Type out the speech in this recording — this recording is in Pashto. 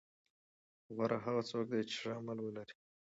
غوره هغه څوک دی چې ښه عمل ولري.